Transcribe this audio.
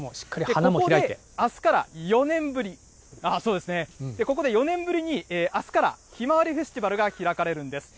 ここであすから４年ぶり、そうですね、ここで４年ぶりにあすから、ひまわりフェステバルが開かれるんです。